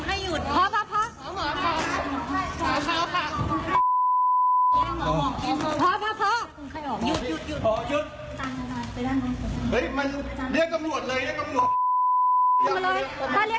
และไม่ได้บอกว่าจะไปรักษาคนอื่นไม่ได้